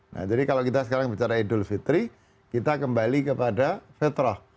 nah jadi kalau kita sekarang bicara idul fitri kita kembali kepada fitrah